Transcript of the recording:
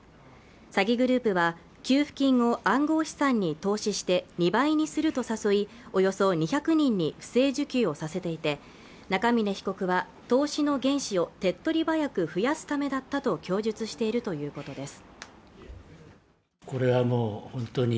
詐欺グループは給付金を暗号資産に投資して２倍にすると誘いおよそ２００人に不正受給をさせていて中峯被告は投資の原資を手っ取り早く増やすためだったと供述しているということです